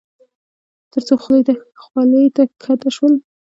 تر څو خولې ته کښته شول.